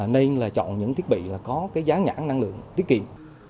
nên là chọn những thiết bị có giá nhãn năng lượng tiết kiệm